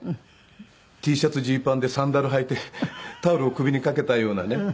Ｔシャツジーパンでサンダル履いてタオルを首にかけたようなね